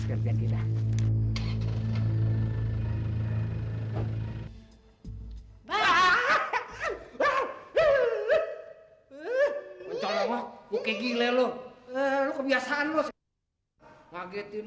apa yang dengan kita